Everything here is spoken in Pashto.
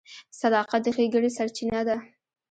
• صداقت د ښېګڼې سرچینه ده.